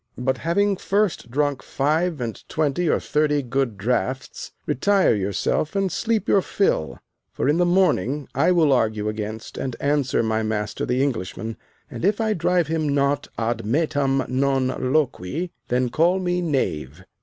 But, having first drunk five and twenty or thirty good draughts, retire yourself and sleep your fill, for in the morning I will argue against and answer my master the Englishman, and if I drive him not ad metam non loqui, then call me knave.